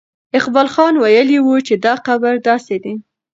اقبال خان ویلي وو چې دا قبر داسې دی.